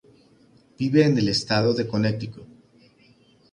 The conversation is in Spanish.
Vive en el estado de Connecticut.